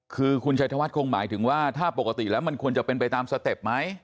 คือคุณชัยธวัฒนคงหมายถึงว่าถ้าปกติแล้วมันควรจะเป็นไปตามสเต็ปไหม